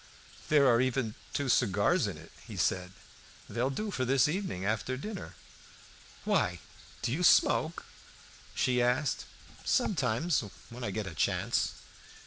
"There are even two cigars in it," said he; "they'll do for this evening after dinner." "Why, do you smoke?" she asked. "Sometimes, when I get a chance."